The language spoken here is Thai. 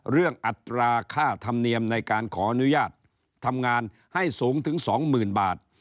อัตราค่าธรรมเนียมในการขออนุญาตทำงานให้สูงถึง๒๐๐๐บาท